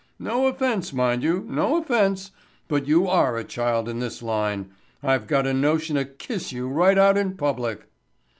No offense, mind you, no offense, but you are a child in this line. I've got a notion to kiss you right out in public."